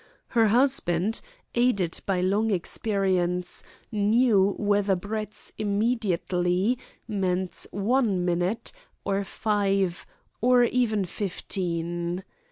Her husband, aided by long experience, knew whether Brett's "immediately" meant one minute, or five, or even fifteen.